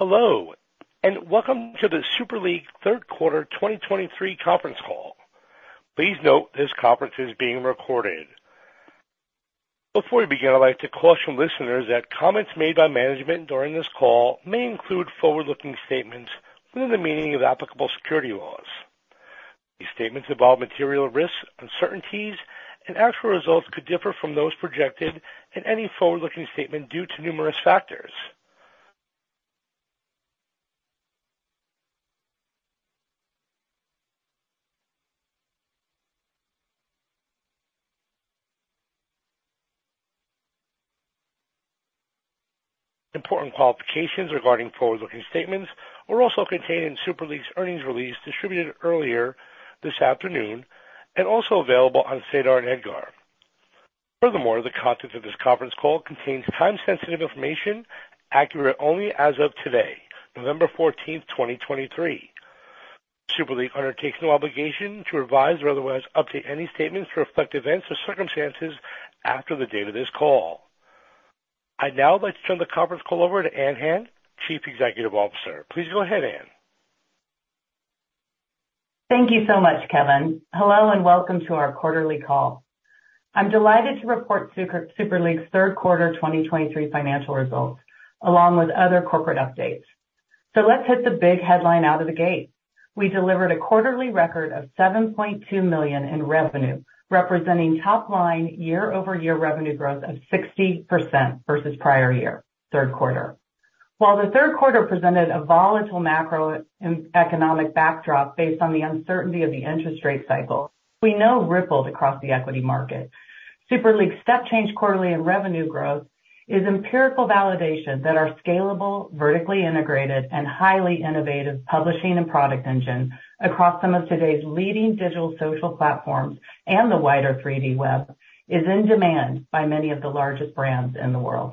Hello, and welcome to the Super League third quarter 2023 conference call. Please note, this conference is being recorded. Before we begin, I'd like to caution listeners that comments made by management during this call may include forward-looking statements within the meaning of applicable securities laws. These statements involve material risks, uncertainties, and actual results could differ from those projected in any forward-looking statement due to numerous factors. Important qualifications regarding forward-looking statements are also contained in Super League's earnings release distributed earlier this afternoon and also available on SEDAR and EDGAR. Furthermore, the content of this conference call contains time-sensitive information, accurate only as of today, November 14, 2023. Super League undertakes no obligation to revise or otherwise update any statements to reflect events or circumstances after the date of this call. I'd now like to turn the conference call over to Ann Hand, Chief Executive Officer. Please go ahead, Ann. Thank you so much, Kevin. Hello, and welcome to our quarterly call. I'm delighted to report Super League's third quarter 2023 financial results, along with other corporate updates. So let's hit the big headline out of the gate. We delivered a quarterly record of $7.2 million in revenue, representing top-line year-over-year revenue growth of 60% versus prior year, third quarter. While the third quarter presented a volatile macroeconomic backdrop based on the uncertainty of the interest rate cycle, which rippled across the equity market. Super League's step-change in quarterly revenue growth is empirical validation that our scalable, vertically integrated, and highly innovative publishing and product engine across some of today's leading digital social platforms and the wider 3D web is in demand by many of the largest brands in the world.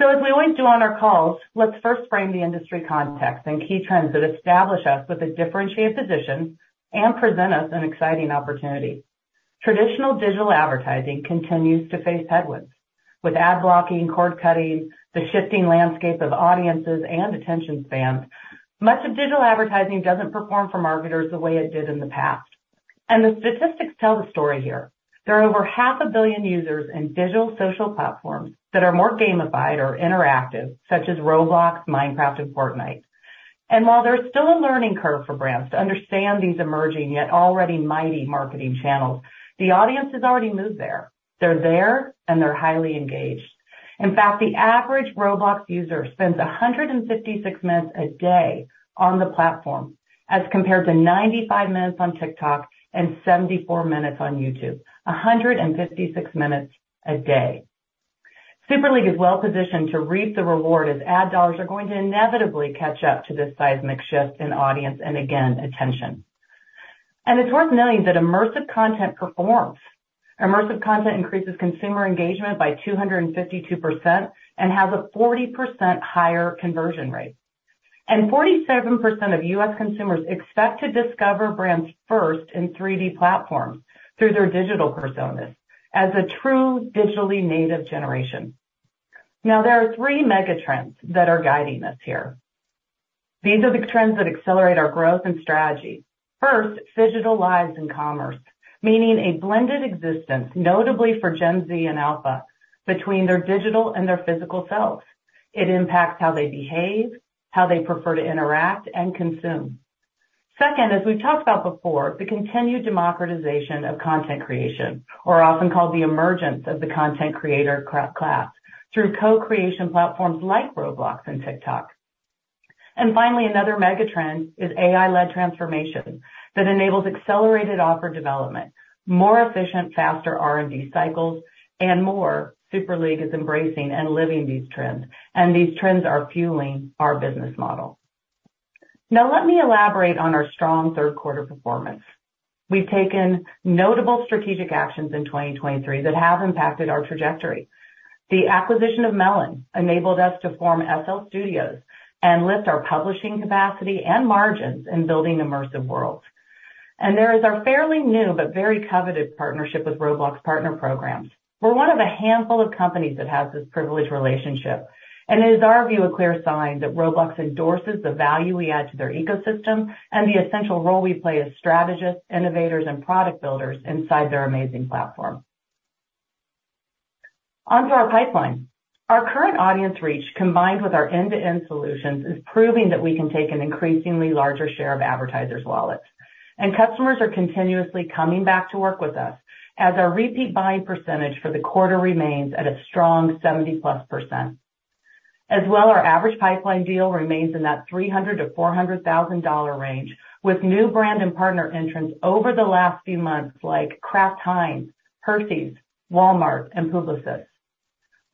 As we always do on our calls, let's first frame the industry context and key trends that establish us with a differentiated position and present us an exciting opportunity. Traditional digital advertising continues to face headwinds. With ad blocking, cord cutting, the shifting landscape of audiences and attention spans, much of digital advertising doesn't perform for marketers the way it did in the past. The statistics tell the story here. There are over 500 million users in digital social platforms that are more gamified or interactive, such as Roblox, Minecraft, and Fortnite. While there's still a learning curve for brands to understand these emerging, yet already mighty marketing channels, the audience has already moved there. They're there, and they're highly engaged. In fact, the average Roblox user spends 156 minutes a day on the platform, as compared to 95 minutes on TikTok and 74 minutes on YouTube. 156 minutes a day. Super League is well positioned to reap the reward as ad dollars are going to inevitably catch up to this seismic shift in audience and again, attention. It's worth noting that immersive content performs. Immersive content increases consumer engagement by 252% and has a 40% higher conversion rate. 47% of U.S. consumers expect to discover brands first in 3D platforms through their digital personas as a true digitally native generation. Now, there are three megatrends that are guiding us here. These are the trends that accelerate our growth and strategy. First, Phygital lives and commerce, meaning a blended existence, notably for Gen Z and Gen Alpha, between their digital and their physical selves. It impacts how they behave, how they prefer to interact and consume. Second, as we've talked about before, the continued democratization of content creation, or often called the emergence of the content creator class, through co-creation platforms like Roblox and TikTok. And finally, another megatrend is AI-led transformation that enables accelerated offer development, more efficient, faster R&D cycles, and more. Super League is embracing and living these trends, and these trends are fueling our business model. Now, let me elaborate on our strong third quarter performance. We've taken notable strategic actions in 2023 that have impacted our trajectory. The acquisition of Melon enabled us to form SL Studios and lift our publishing capacity and margins in building immersive worlds. And there is our fairly new but very coveted partnership with Roblox Partner Programs. We're one of a handful of companies that has this privileged relationship, and it is our view, a clear sign that Roblox endorses the value we add to their ecosystem and the essential role we play as strategists, innovators, and product builders inside their amazing platform. On to our pipeline. Our current audience reach, combined with our end-to-end solutions, is proving that we can take an increasingly larger share of advertisers' wallets, and customers are continuously coming back to work with us as our repeat buying percentage for the quarter remains at a strong 70%+. As well, our average pipeline deal remains in that $300,000-$400,000 range, with new brand and partner entrants over the last few months, like Kraft Heinz, Hershey's, Walmart, and Publicis.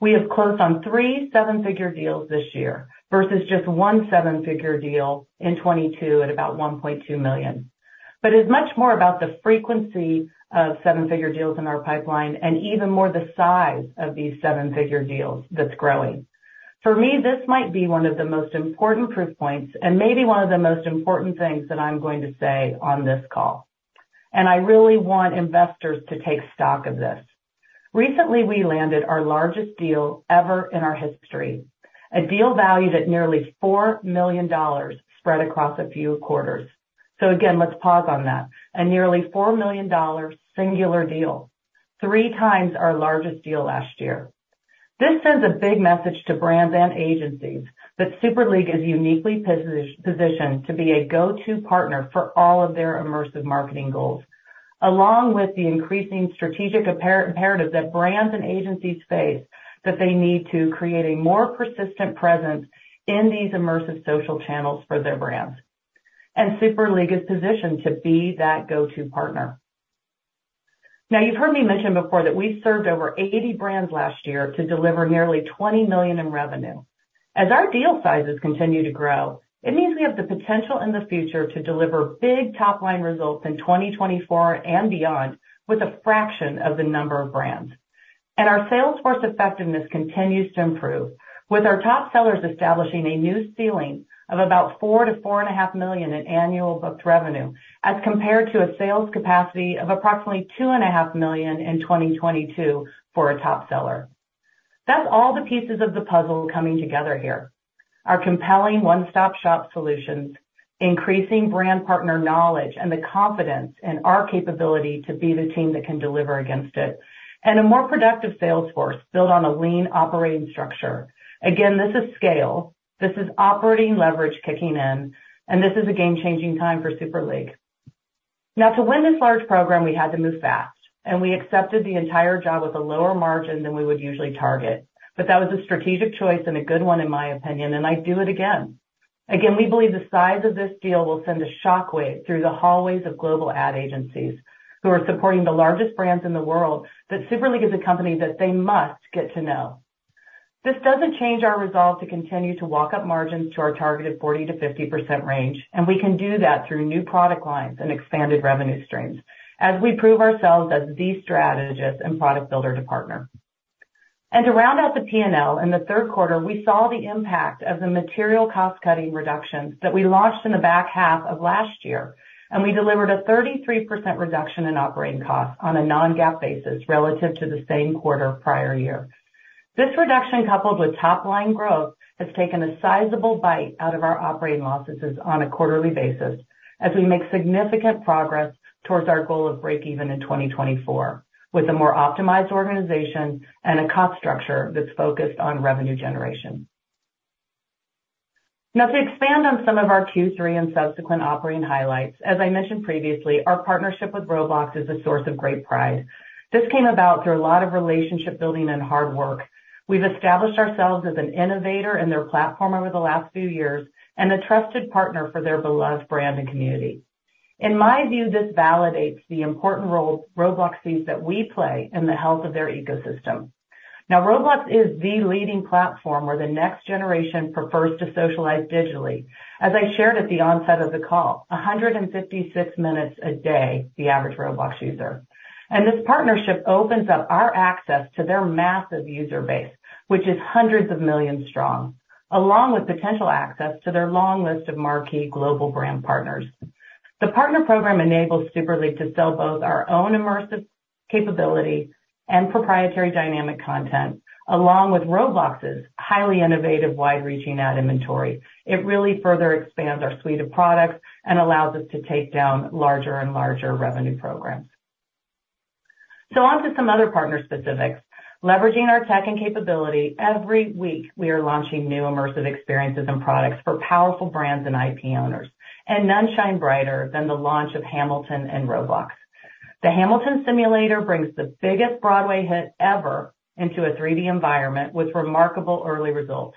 We have closed on three seven-figure deals this year versus just one seven-figure deal in 2022 at about $1.2 million. But it's much more about the frequency of seven-figure deals in our pipeline and even more the size of these seven-figure deals that's growing. For me, this might be one of the most important proof points and maybe one of the most important things that I'm going to say on this call, and I really want investors to take stock of this. Recently, we landed our largest deal ever in our history, a deal valued at nearly $4 million spread across a few quarters. So again, let's pause on that. A nearly $4 million dollar singular deal, three times our largest deal last year. This sends a big message to brands and agencies that Super League is uniquely positioned to be a go-to partner for all of their immersive marketing goals, along with the increasing strategic imperative that brands and agencies face, that they need to create a more persistent presence in these immersive social channels for their brands. And Super League is positioned to be that go-to partner. Now, you've heard me mention before that we served over 80 brands last year to deliver nearly $20 million in revenue. As our deal sizes continue to grow, it means we have the potential in the future to deliver big top-line results in 2024 and beyond, with a fraction of the number of brands. Our sales force effectiveness continues to improve, with our top sellers establishing a new ceiling of about $4 million-$4.5 million in annual booked revenue, as compared to a sales capacity of approximately $2.5 million in 2022 for a top seller. That's all the pieces of the puzzle coming together here. Our compelling one-stop-shop solutions, increasing brand partner knowledge, and the confidence in our capability to be the team that can deliver against it, and a more productive sales force built on a lean operating structure. Again, this is scale. This is operating leverage kicking in, and this is a game-changing time for Super League. Now, to win this large program, we had to move fast, and we accepted the entire job with a lower margin than we would usually target. That was a strategic choice and a good one, in my opinion, and I'd do it again. Again, we believe the size of this deal will send a shockwave through the hallways of global ad agencies who are supporting the largest brands in the world, that Super League is a company that they must get to know. This doesn't change our resolve to continue to walk up margins to our target of 40%-50% range, and we can do that through new product lines and expanded revenue streams as we prove ourselves as the strategist and product builder to partner. To round out the P&L, in the third quarter, we saw the impact of the material cost-cutting reductions that we launched in the back half of last year, and we delivered a 33% reduction in operating costs on a non-GAAP basis relative to the same quarter prior year. This reduction, coupled with top-line growth, has taken a sizable bite out of our operating losses on a quarterly basis as we make significant progress towards our goal of breakeven in 2024, with a more optimized organization and a cost structure that's focused on revenue generation. Now, to expand on some of our Q3 and subsequent operating highlights, as I mentioned previously, our partnership with Roblox is a source of great pride. This came about through a lot of relationship building and hard work. We've established ourselves as an innovator in their platform over the last few years and a trusted partner for their beloved brand and community. In my view, this validates the important role Roblox sees that we play in the health of their ecosystem. Now, Roblox is the leading platform where the next generation prefers to socialize digitally. As I shared at the onset of the call, 156 minutes a day, the average Roblox user, and this partnership opens up our access to their massive user base, which is hundreds of millions strong, along with potential access to their long list of marquee global brand partners. The partner program enables Super League to sell both our own immersive capability and proprietary dynamic content, along with Roblox's highly innovative, wide-reaching ad inventory. It really further expands our suite of products and allows us to take down larger and larger revenue programs. So on to some other partner specifics. Leveraging our tech and capability, every week we are launching new immersive experiences and products for powerful brands and IP owners, and none shine brighter than the launch of Hamilton and Roblox. The Hamilton Simulator brings the biggest Broadway hit ever into a 3D environment with remarkable early results.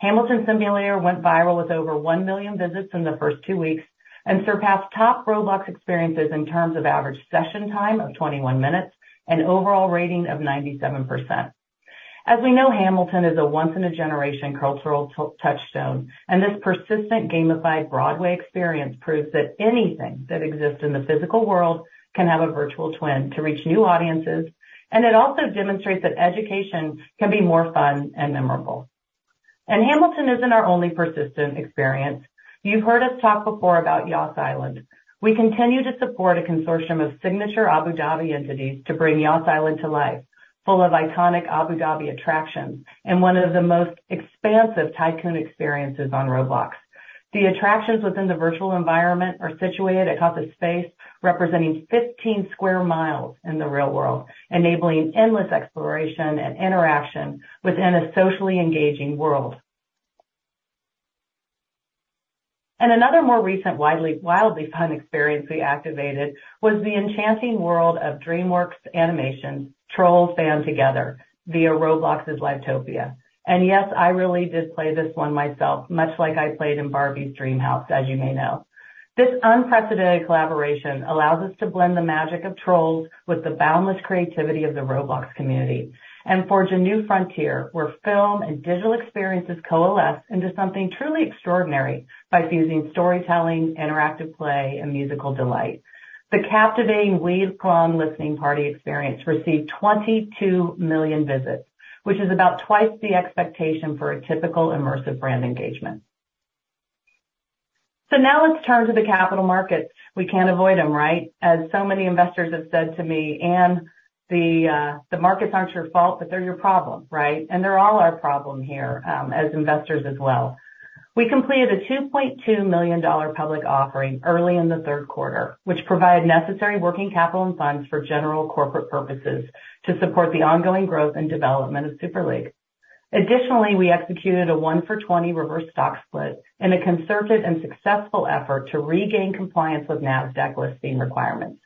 Hamilton Simulator went viral with over 1 million visits in the first two weeks, and surpassed top Roblox experiences in terms of average session time of 21 minutes and overall rating of 97%. As we know, Hamilton is a once-in-a-generation cultural touchstone, and this persistent gamified Broadway experience proves that anything that exists in the physical world can have a virtual twin to reach new audiences, and it also demonstrates that education can be more fun and memorable. Hamilton isn't our only persistent experience. You've heard us talk before about Yas Island. We continue to support a consortium of signature Abu Dhabi entities to bring Yas Island to life, full of iconic Abu Dhabi attractions and one of the most expansive tycoon experiences on Roblox. The attractions within the virtual environment are situated across a space representing 15 sq mi in the real world, enabling endless exploration and interaction within a socially engaging world. Another more recent, widely, wildly fun experience we activated was the enchanting world of DreamWorks Animation's Trolls Band Together via Roblox's Livetopia. And yes, I really did play this one myself, much like I played in Barbie's Dreamhouse, as you may know. This unprecedented collaboration allows us to blend the magic of Trolls with the boundless creativity of the Roblox community, and forge a new frontier where film and digital experiences coalesce into something truly extraordinary by fusing storytelling, interactive play, and musical delight. The captivating week-long listening party experience received 22 million visits, which is about twice the expectation for a typical immersive brand engagement. So now let's turn to the capital markets. We can't avoid them, right? As so many investors have said to me, "Ann, the markets aren't your fault, but they're your problem," right? And they're all our problem here, as investors as well. We completed a $2.2 million public offering early in the third quarter, which provided necessary working capital and funds for general corporate purposes to support the ongoing growth and development of Super League. Additionally, we executed a 1-for-20 reverse stock split in a concerted and successful effort to regain compliance with Nasdaq listing requirements.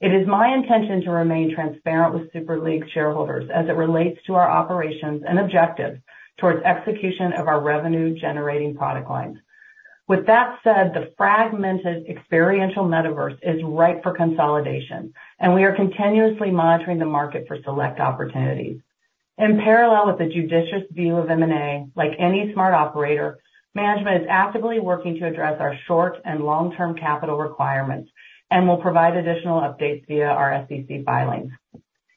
It is my intention to remain transparent with Super League shareholders as it relates to our operations and objectives towards execution of our revenue-generating product lines. With that said, the fragmented experiential metaverse is ripe for consolidation, and we are continuously monitoring the market for select opportunities. In parallel with the judicious view of M&A, like any smart operator, management is actively working to address our short and long-term capital requirements and will provide additional updates via our SEC filings.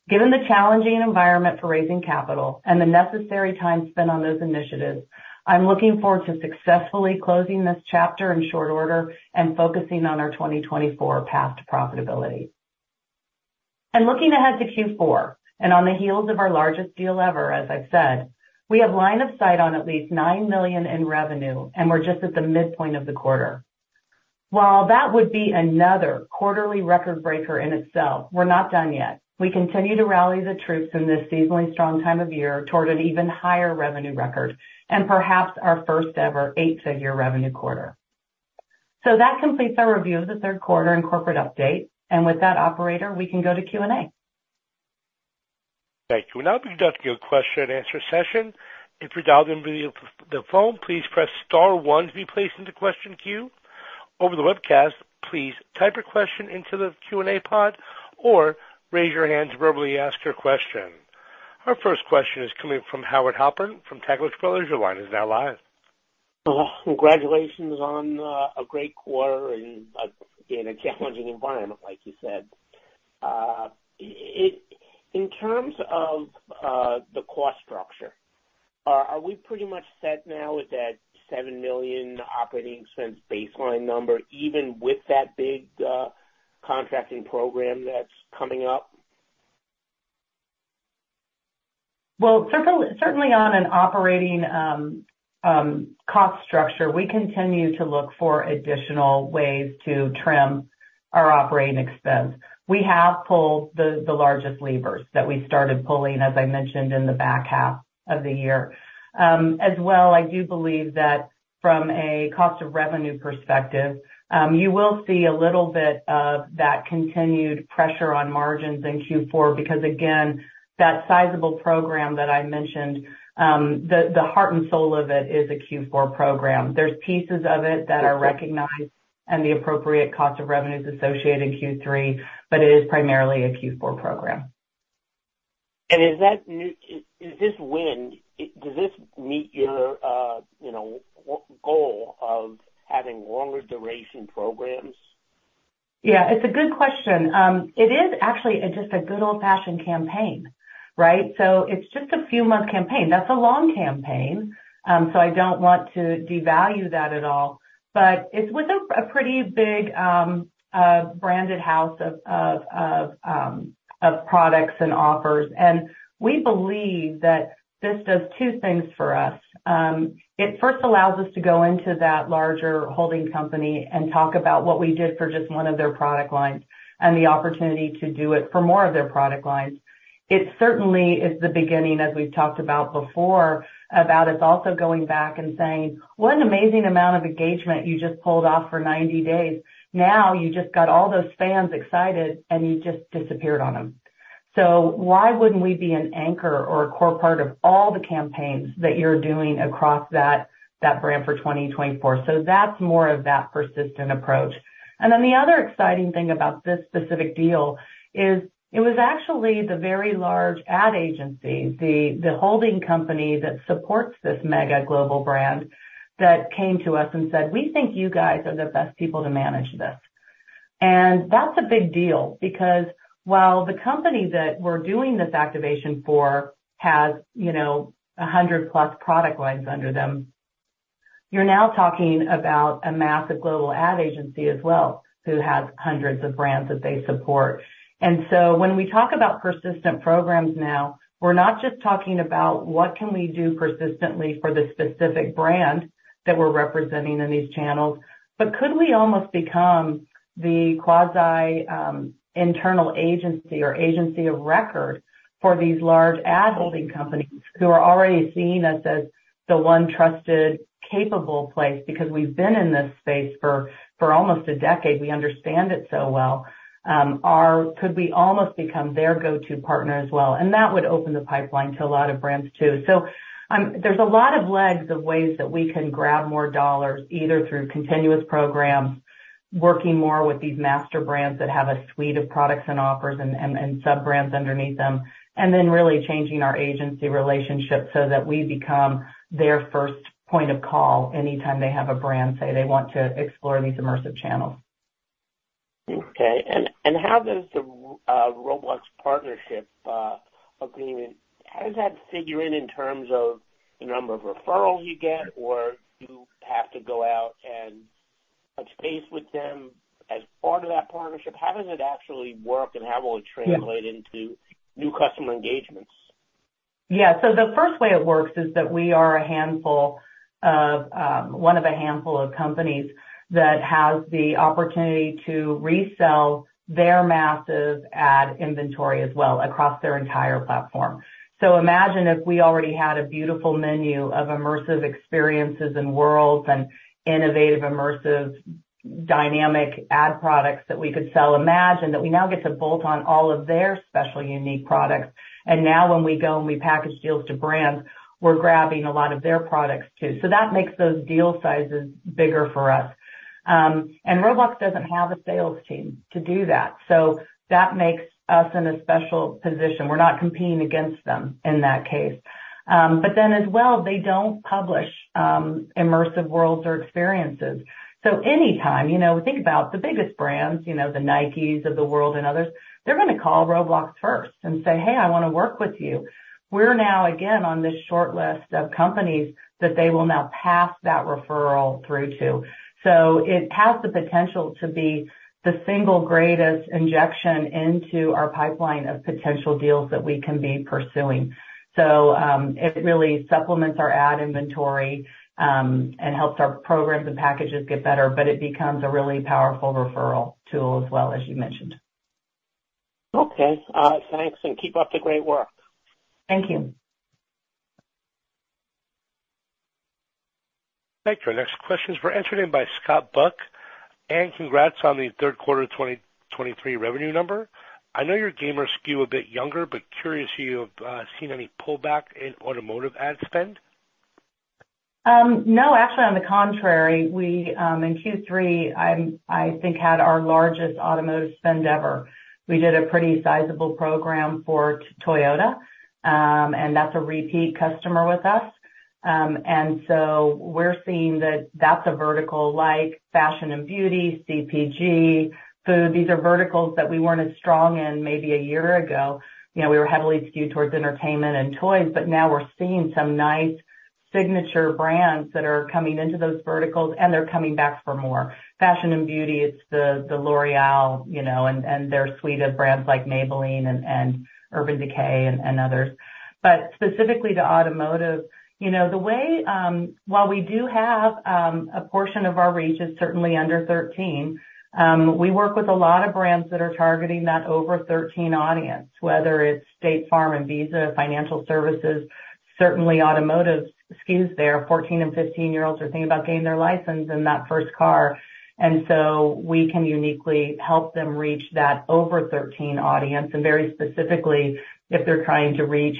Given the challenging environment for raising capital and the necessary time spent on those initiatives, I'm looking forward to successfully closing this chapter in short order and focusing on our 2024 path to profitability. And looking ahead to Q4, and on the heels of our largest deal ever, as I've said, we have line of sight on at least $9 million in revenue, and we're just at the midpoint of the quarter. While that would be another quarterly record breaker in itself, we're not done yet. We continue to rally the troops in this seasonally strong time of year toward an even higher revenue record and perhaps our first-ever eight-figure revenue quarter. So that completes our review of the third quarter and corporate update. And with that, operator, we can go to Q&A. Thank you. We'll now be conducting a question and answer session. If you dialed in via the phone, please press star one to be placed into question queue. Over the webcast, please type your question into the Q&A pod or raise your hand to verbally ask your question. Our first question is coming from Howard Halpern from Taglich Brothers. Your line is now live. Well, congratulations on a great quarter and in a challenging environment, like you said. In terms of the cost structure, are we pretty much set now with that $7 million operating expense baseline number, even with that big contracting program that's coming up? Well, certainly, on an operating cost structure, we continue to look for additional ways to trim our operating expense. We have pulled the largest levers that we started pulling, as I mentioned, in the back half of the year. As well, I do believe that from a cost of revenue perspective, you will see a little bit of that continued pressure on margins in Q4, because, again, that sizable program that I mentioned, the heart and soul of it is a Q4 program. There's pieces of it that are recognized and the appropriate cost of revenues associated in Q3, but it is primarily a Q4 program. Is that new? Is this win, does this meet your, you know, goal of having longer duration programs? Yeah, it's a good question. It is actually just a good old-fashioned campaign, right? So it's just a few-month campaign. That's a long campaign, so I don't want to devalue that at all, but it's with a pretty big branded house of products and offers. And we believe that this does two things for us. It first allows us to go into that larger holding company and talk about what we did for just one of their product lines and the opportunity to do it for more of their product lines. It certainly is the beginning, as we've talked about before, about us also going back and saying, "What an amazing amount of engagement you just pulled off for 90 days. Now, you just got all those fans excited, and you just disappeared on them. So why wouldn't we be an anchor or a core part of all the campaigns that you're doing across that brand for 2024?" So that's more of that persistent approach. And then the other exciting thing about this specific deal is it was actually the very large ad agency, the holding company that supports this mega global brand, that came to us and said, "We think you guys are the best people to manage this." And that's a big deal because while the company that we're doing this activation for has, you know, 100-plus product lines under them, you're now talking about a massive global ad agency as well, who has hundreds of brands that they support. And so when we talk about persistent programs now, we're not just talking about what can we do persistently for the specific brand that we're representing in these channels, but could we almost become the quasi internal agency or agency of record for these large ad holding companies who are already seeing us as the one trusted, capable place? Because we've been in this space for almost a decade. We understand it so well. Could we almost become their go-to partner as well? And that would open the pipeline to a lot of brands, too. So, there's a lot of legs of ways that we can grab more dollars, either through continuous programs, working more with these master brands that have a suite of products and offers and sub-brands underneath them, and then really changing our agency relationship so that we become their first point of call anytime they have a brand, say they want to explore these immersive channels. Okay, and how does the Roblox partnership agreement figure in terms of the number of referrals you get, or do you have to go out and touch base with them as part of that partnership? How does it actually work, and how will it translate into new customer engagements? Yeah. So the first way it works is that we are a handful of, one of a handful of companies that has the opportunity to resell their massive ad inventory as well, across their entire platform. So imagine if we already had a beautiful menu of immersive experiences and worlds and innovative, immersive, dynamic ad products that we could sell. Imagine that we now get to bolt on all of their special, unique products, and now when we go and we package deals to brands, we're grabbing a lot of their products, too. So that makes those deal sizes bigger for us. And Roblox doesn't have a sales team to do that, so that makes us in a special position. We're not competing against them in that case. But then as well, they don't publish immersive worlds or experiences. So anytime, you know, think about the biggest brands, you know, the Nikes of the world and others, they're going to call Roblox first and say, "Hey, I want to work with you." We're now again on this short list of companies that they will now pass that referral through to. So it has the potential to be the single greatest injection into our pipeline of potential deals that we can be pursuing. So, it really supplements our ad inventory, and helps our programs and packages get better, but it becomes a really powerful referral tool as well, as you mentioned. Okay. Thanks, and keep up the great work. Thank you. Thank you. Our next question is from Scott Buck, and congrats on the third quarter 2023 revenue number. I know your gamers skew a bit younger, but curious if you have seen any pullback in automotive ad spend? No, actually, on the contrary, we in Q3, I'm, I think, had our largest automotive spend ever. We did a pretty sizable program for Toyota, and that's a repeat customer with us. And so we're seeing that that's a vertical like fashion and beauty, CPG, food. These are verticals that we weren't as strong in maybe a year ago. You know, we were heavily skewed towards entertainment and toys, but now we're seeing some nice signature brands that are coming into those verticals, and they're coming back for more. Fashion and beauty, it's the, the L'Oréal, you know, and, and their suite of brands like Maybelline and, and Urban Decay and, and others. Specifically to automotive, you know, the way while we do have a portion of our reach is certainly under 13, we work with a lot of brands that are targeting that over 13 audience, whether it's State Farm and Visa Financial Services. Certainly automotive skews there. 14- and 15-year-olds are thinking about getting their license and that first car, and so we can uniquely help them reach that over 13 audience, and very specifically, if they're trying to reach,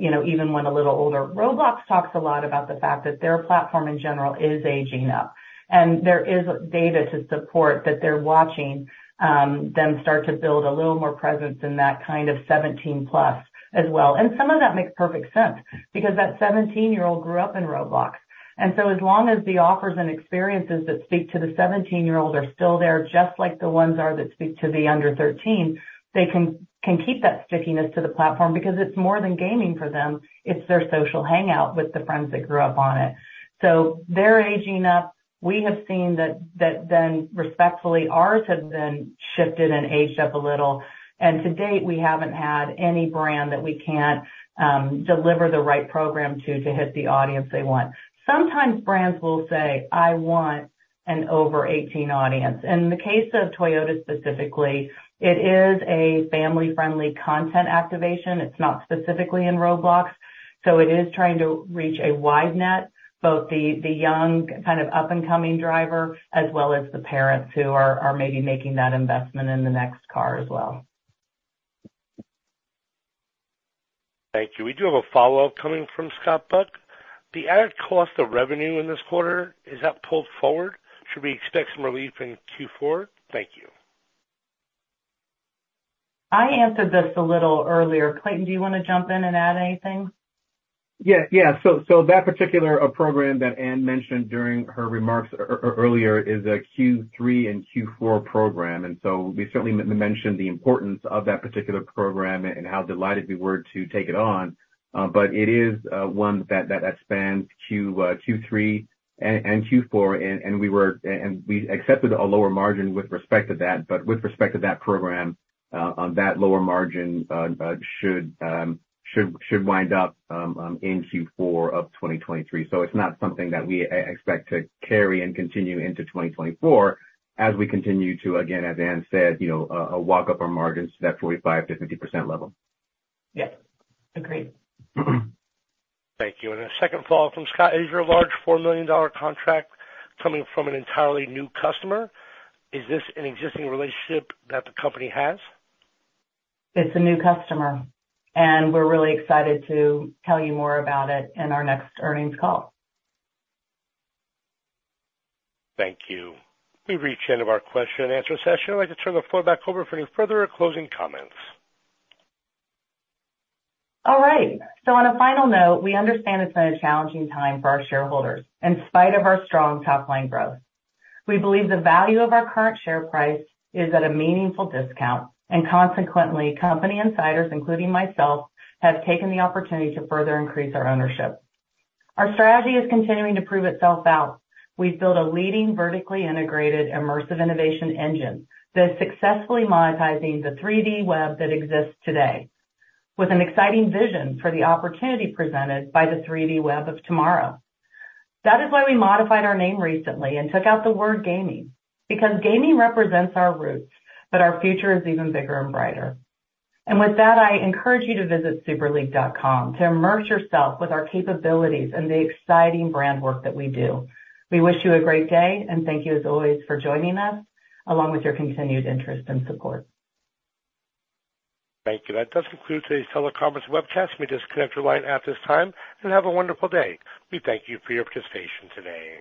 you know, even when a little older. Roblox talks a lot about the fact that their platform in general is aging up, and there is data to support that they're watching them start to build a little more presence in that kind of 17+ as well. Some of that makes perfect sense, because that 17-year-old grew up in Roblox, and so as long as the offers and experiences that speak to the 17-year-olds are still there, just like the ones are that speak to the under 13, they can keep that stickiness to the platform because it's more than gaming for them, it's their social hangout with the friends that grew up on it. So they're aging up. We have seen that then respectfully, ours have been shifted and aged up a little, and to date, we haven't had any brand that we can't deliver the right program to hit the audience they want. Sometimes brands will say, "I want an over 18 audience." In the case of Toyota specifically, it is a family-friendly content activation. It's not specifically in Roblox, so it is trying to reach a wide net, both the young, kind of, up-and-coming driver, as well as the parents who are maybe making that investment in the next car as well. Thank you. We do have a follow-up coming from Scott Buck. The added cost of revenue in this quarter, is that pulled forward? Should we expect some relief in Q4? Thank you. I answered this a little earlier. Clayton, do you want to jump in and add anything? Yeah. Yeah. So that particular program that Ann mentioned during her remarks earlier is a Q3 and Q4 program, and so we certainly mentioned the importance of that particular program and how delighted we were to take it on. But it is one that spans Q3 and Q4, and we accepted a lower margin with respect to that, but with respect to that program, that lower margin should wind up in Q4 of 2023. So it's not something that we expect to carry and continue into 2024 as we continue to, again, as Ann said, you know, walk up our margins to that 45%-50% level. Yes. Agreed. Thank you. A second follow-up from Scott: Is your large $4 million contract coming from an entirely new customer? Is this an existing relationship that the company has? It's a new customer, and we're really excited to tell you more about it in our next earnings call. Thank you. We've reached the end of our question and answer session. I'd like to turn the floor back over for any further closing comments. All right. On a final note, we understand it's been a challenging time for our shareholders, in spite of our strong top line growth. We believe the value of our current share price is at a meaningful discount, and consequently, company insiders, including myself, have taken the opportunity to further increase our ownership. Our strategy is continuing to prove itself out. We've built a leading, vertically integrated, immersive innovation engine that is successfully monetizing the 3D web that exists today, with an exciting vision for the opportunity presented by the 3D web of tomorrow. That is why we modified our name recently and took out the word "gaming," because gaming represents our roots, but our future is even bigger and brighter. With that, I encourage you to visit superleague.com to immerse yourself with our capabilities and the exciting brand work that we do. We wish you a great day, and thank you, as always, for joining us, along with your continued interest and support. Thank you. That does conclude today's teleconference webcast. You may disconnect your line at this time, and have a wonderful day. We thank you for your participation today.